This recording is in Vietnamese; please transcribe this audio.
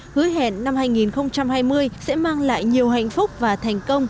hứa hẹn năm hai nghìn hai mươi sẽ mang lại nhiều hạnh phúc và thành công